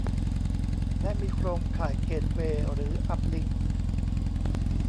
และ มีโครงข่ายเกตเวย์ หรือ อัพลิงค์